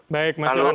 baik mas johan